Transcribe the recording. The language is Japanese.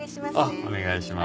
お願いします。